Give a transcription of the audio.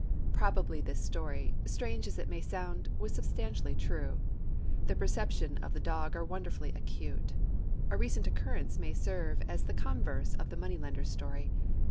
Probably this story, strange as it may sound, was substantially true. The perceptions of the dog are wonderfully acute. A recent occurrence may serve as the converse of the money lender's story.